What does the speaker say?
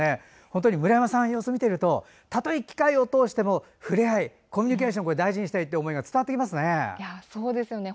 本当に村山さんを見てるとたとえ期待を通しても触れ合いコミュニケーションを大事にしたいって思いが伝わってきますよね。